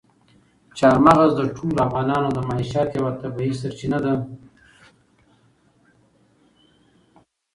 چار مغز د ټولو افغانانو د معیشت یوه طبیعي سرچینه ده.